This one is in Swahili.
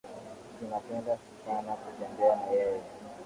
Tunapenda sana kutembea na yeye